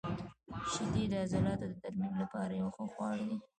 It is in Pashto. • شیدې د عضلاتو د ترمیم لپاره یو ښه خواړه دي.